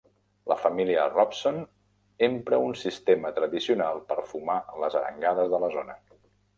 La família Robson empra un sistema tradicional per fumar les arengades de la zona.